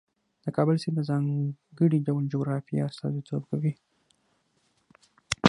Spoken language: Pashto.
د کابل سیند د ځانګړي ډول جغرافیې استازیتوب کوي.